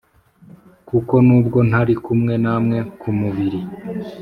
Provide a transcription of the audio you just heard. Kuko nubwo ntari kumwe namwe ku mubiri